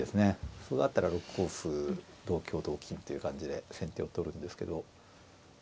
歩があったら６五歩同香同金という感じで先手を取るんですけど。